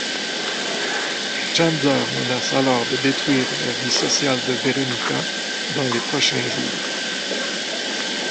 Chandler menace alors de détruire la vie sociale de Veronica dans les prochains jours.